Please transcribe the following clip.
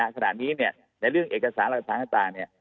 ขณะนี้ในเรื่องเอกสารและสถานการณ์